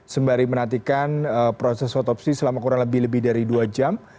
sembari menantikan proses otopsi selama kurang lebih lebih dari dua jam